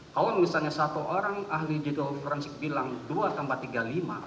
kalau misalnya satu orang ahli digital forensik bilang dua tambah tiga lima